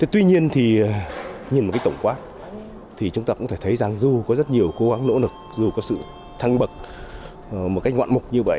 tuy nhiên thì nhìn một cái tổng quát thì chúng ta cũng có thể thấy rằng dù có rất nhiều cố gắng nỗ lực dù có sự thăng bậc một cách ngoạn mục như vậy